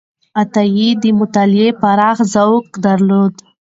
عطایي د مطالعې پراخ ذوق درلود.